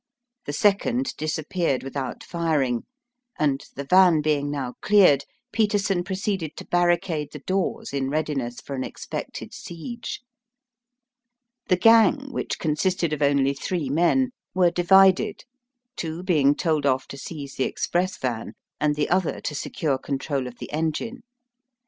The second disappeared without firing, and, the van being now cleared, Peterson proceeded to barricade the doors in readiness for an expected siege. The gang, which consisted of only three men, were divided, two being told off to seize the express van, and the other to secure control of the engine.